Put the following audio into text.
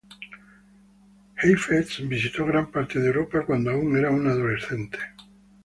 Heifetz visitó gran parte de Europa cuando aún era un adolescente.